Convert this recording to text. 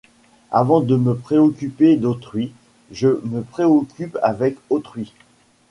Avant de me préoccuper d'autrui, je me préoccupe avec autrui.